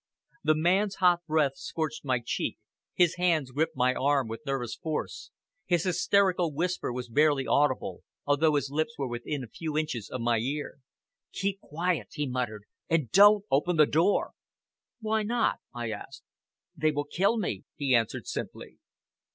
The man's hot breath scorched my cheek, his hands gripped my arm with nervous force, his hysterical whisper was barely audible, although his lips were within a few inches of my ear. "Keep quiet," he muttered, "and don't open the door!" "Why not?" I asked. "They will kill me," he answered simply.